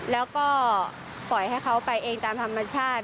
แล้วก็ปล่อยให้เขาไปเองตามธรรมชาติ